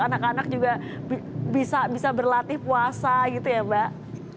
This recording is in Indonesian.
anak anak juga bisa berlatih puasa gitu ya mbak